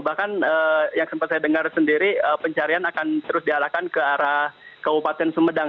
bahkan yang sempat saya dengar sendiri pencarian akan terus dialahkan ke arah kabupaten sumedang